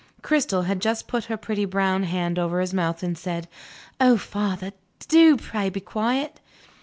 Cristel had just put her pretty brown hand over his mouth, and said, "Oh, father, do pray be quiet!"